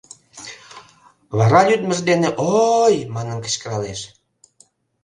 Вара лӱдмыж дене «о-о-й!» манын кычкыралеш.